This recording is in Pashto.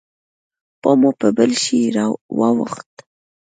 پام مو په بل شي واوښت.